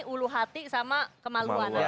ulu hati sama kemaluan